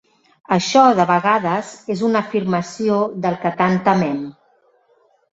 Això, de vegades, és una afirmació del que tant temem.